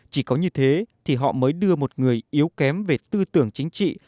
chỉ có như thế thì họ mới đưa một người yếu kém về tư tưởng chính trị